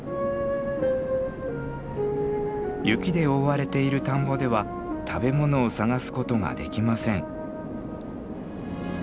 雪で覆われている田んぼでは食べ物を探すことができません。